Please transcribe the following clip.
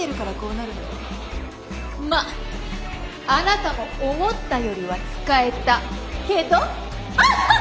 まああなたも思ったよりは使えたけど。